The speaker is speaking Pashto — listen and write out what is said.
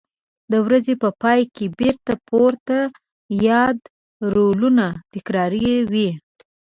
د ورځې په پای کې بېرته پورته یاد رولونه تکراروي.